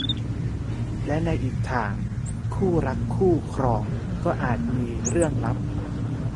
และในอีกทางคู่รักคู่ครองก็อาจมีเรื่องลับ